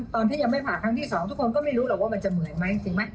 ตอนที่ยังไม่ผ่าครั้งที่สองทุกคนก็ไม่รู้หรอกว่ามันจะเหมือนไหมจริงไหม